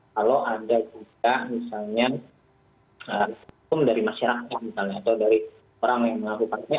kalau ada juga misalnya hukum dari masyarakat misalnya atau dari orang yang melakukannya